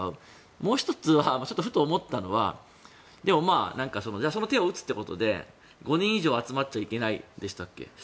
もう１つは、ふと思ったのはでも、じゃあその手を打つということで５人以上集まっちゃいけないでしたっけ。